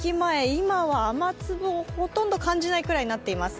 今は雨粒をほとんど感じないぐらいになっています。